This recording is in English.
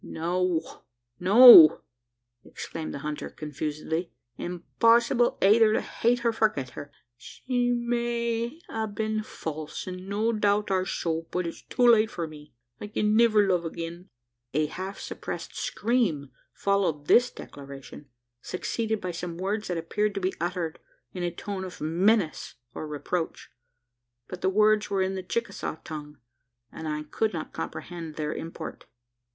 "No, no!" exclaimed the hunter confusedly. "Impossible eyther to hate or forget her. She may a been false, an' no doubt are so; but it's too late for me: I can niver love agin." A half suppressed scream followed this declaration, succeeded by some words that appeared to be uttered in a tone of menace or reproach. But the words were in the Chicasaw tongue, and I could not comprehend their import.